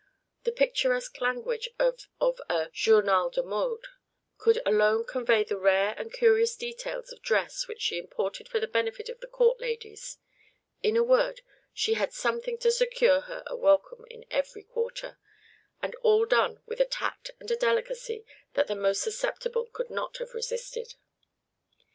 The picturesque language of a "Journal de Modes" could alone convey the rare and curious details of dress which she imported for the benefit of the court ladies. In a word, she had something to secure her a welcome in every quarter, and all done with a tact and a delicacy that the most susceptible could not have resisted.